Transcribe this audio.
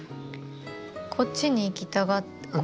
こっちに行きたがって。